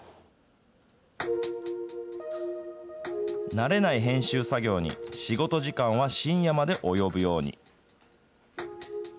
慣れない編集作業に仕事時間は深夜まで及ぶように。